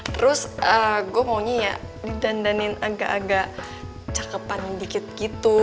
terus gue maunya ya didandanin agak agak cakepan dikit gitu